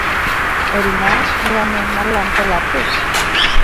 Орина, мыланем марлан толат вет?